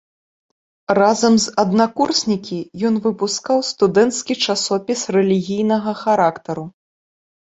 Разам з аднакурснікі ён выпускаў студэнцкі часопіс рэлігійнага характару.